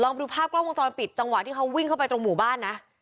ไปดูภาพกล้องวงจรปิดจังหวะที่เขาวิ่งเข้าไปตรงหมู่บ้านนะ